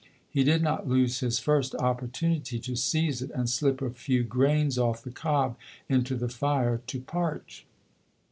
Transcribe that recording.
He did not lose his first opportunity to seize it and slip a few grains off the cob into the fire to parch.